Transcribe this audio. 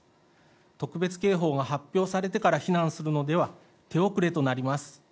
特別警報が発表されてから避難するのでは手遅れとなります。